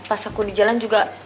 masaku di jalan juga